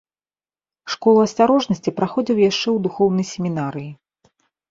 Школу асцярожнасці праходзіў яшчэ ў духоўнай семінарыі.